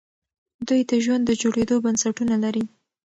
دوی د ژوند د جوړېدو بنسټونه لري.